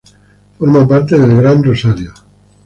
Forma parte del Gran Rosario.